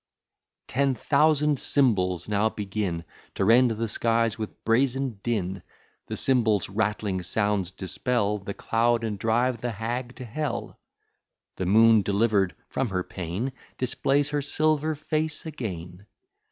Ten thousand cymbals now begin, To rend the skies with brazen din; The cymbals' rattling sounds dispel The cloud, and drive the hag to hell. The moon, deliver'd from her pain, Displays her silver face again.